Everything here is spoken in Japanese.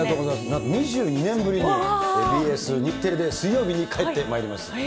なんと２２年ぶりに、ＢＳ日テレで、水曜日に帰ってまいります。